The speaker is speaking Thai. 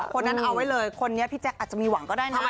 คนนั้นเอาไว้เลยคนนี้พี่แจ๊คอาจจะมีหวังก็ได้นะ